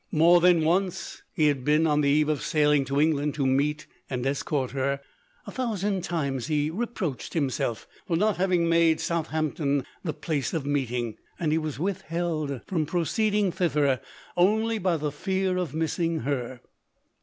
More than once he had been on the eve of sailing to Eng land to meet and escort her ; a thousand times he reproached himself for not having made South ampton tlie place of meeting, and lie was with held from proceeding thither only by the fear of missing her.